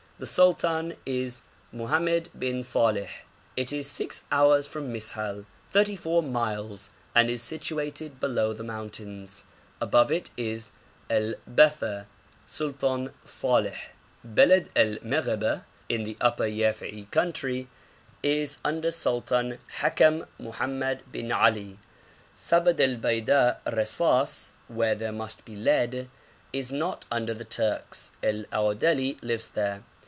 The sultan is Mohamed bin Saleh. It is six hours from Mis'hal thirty four miles and is situated below the mountains. Above it is El Betha Sultan Saleh. Belad el Megheba, in the upper Yafei country, is under Sultan Hakam Mohamed bin Ali. Sabad el Baida Resass (where there must be lead) is not under the Turks; El Aòdeli live there.